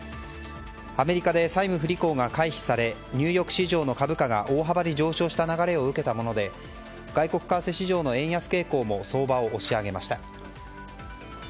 アメリカで債務不履行が回避されニューヨーク市場の株価が大幅に上昇した流れを受けたもので外国為替市場の円安傾向も相場を押し上げました。